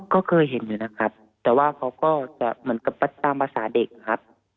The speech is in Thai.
ก็เคยเห็นอยู่นะครับแต่ว่าเขาก็จะเหมือนกับตามภาษาเด็กครับ